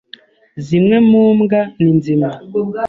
Zimwe mu mbwa ni nzima.